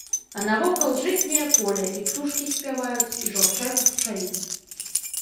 А навокал жытняе поле, і птушкі спяваюць, і журчаць ручаі.